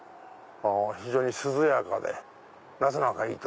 非常に涼やかで夏なんかいい。